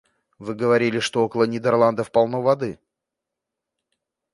Вы говорили, что около Нидерландов полно воды.